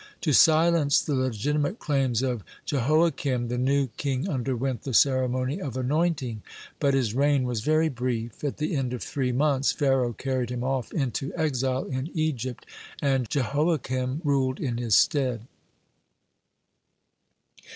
To silence the legitimate claims of Jehoiakim, the new king underwent the ceremony of anointing. (124) But his reign was very brief. At the end of three months Pharaoh carried him off into exile in Egypt, and Jehoiakim ruled in his stead.